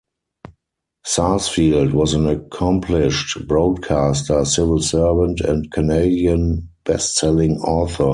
Sarsfield was an accomplished broadcaster, civil servant, and Canadian best-selling author.